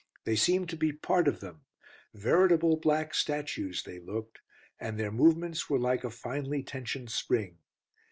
They seemed to be part of them. Veritable black statues they looked, and their movements were like a finely tensioned spring.